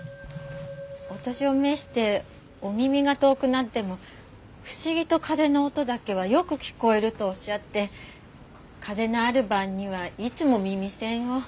お年を召してお耳が遠くなっても不思議と風の音だけはよく聞こえるとおっしゃって風のある晩にはいつも耳栓を。